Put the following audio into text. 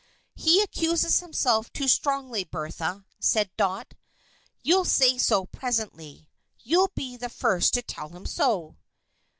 "He accuses himself too strongly, Bertha," said Dot. "You'll say so, presently. You'll be the first to tell him so."